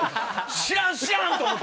知らん、知らんと思った。